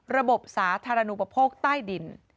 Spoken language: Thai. ระบบสาระนูปปกต่ายดิน